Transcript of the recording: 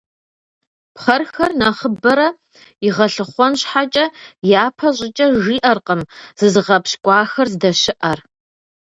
Пхъэрхэр нэхъыбэрэ игъэлъыхъуэн щхьэкӀэ, япэ щӀыкӀэ жиӀэркъым зызыгъэпщкӀуахэр здэщыӀэр.